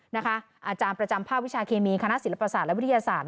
อาจารย์ประจำภาควิชาเคมีคณะศิลปศาสตร์และวิทยาศาสตร์